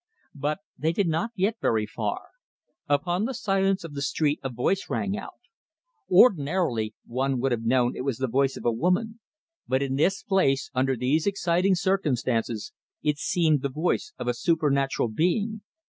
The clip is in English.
But they did not get very far. Upon the silence of the street a voice rang out. Ordinarily, one would have known it was the voice of a woman; but in this place, under these exciting circumstances, it seemed the voice of a supernatural being.